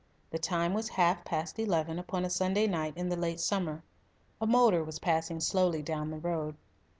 The time was half past eleven upon a Sunday night in the late summer. A motor was passing slowly down the road.